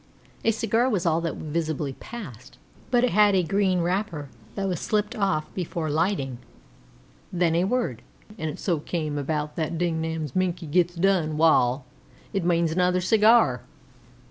A cigar was all that visibly passed, but it had a green wrapper that was slipped off before lighting. Then a word: "If you wuz slipper to morrow and it so came about that Dignam's Minkie gets done, wall, it means another cigar."